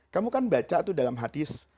kamu kan baca tuh dalam hadis